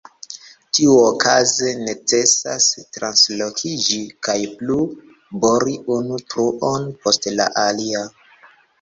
Tiuokaze necesas translokiĝi kaj plu bori unu truon post la alia.